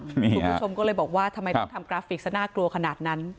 คุณผู้ชมก็เลยบอกว่าทำไมต้องทำกราฟิกซะน่ากลัวขนาดนั้น